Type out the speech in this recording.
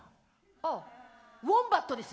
あっウォンバットです。